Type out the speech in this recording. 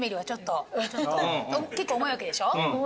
結構重いわけでしょ？